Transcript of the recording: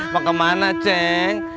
mau ke mana ceng